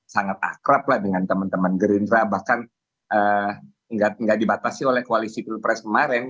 sangat akrab lah dengan teman teman gerindra bahkan nggak dibatasi oleh koalisi pilpres kemarin